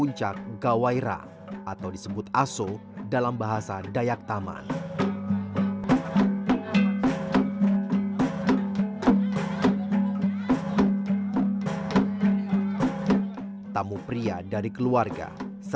ritual pasiap ini dilakukan guna menghormati tamu dan memastikan tidak ada satupun tamu yang merasa lapar di betang sawe